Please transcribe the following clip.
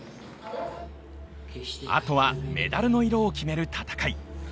あとはメダルの色を決める戦い。